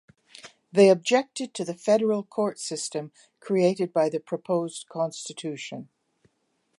They objected to the federal court system created by the proposed constitution.